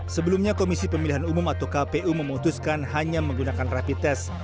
sebelumnya komisi pemilihan umum atau kpu memutuskan hanya menggunakan rapid test